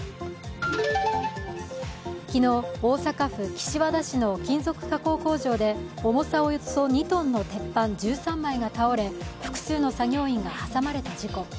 昨日、大阪府岸和田市の金属加工工場で重さおよそ２ｔの鉄板１３枚が倒れ複数の作業員が挟まれた事故。